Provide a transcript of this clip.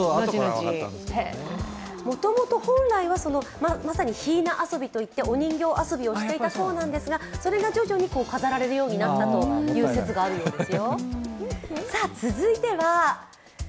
もともと本来はまさにひいな遊びといってお人形遊びをしていたんですが、それが徐々に飾られるようになったという説があるようです。